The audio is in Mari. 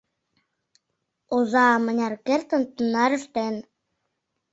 Оза мыняр кертын, тунар ыштен.